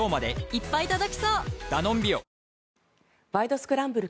スクランブル」